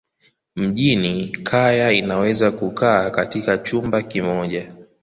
Mjini kaya inaweza kukaa katika chumba kimoja.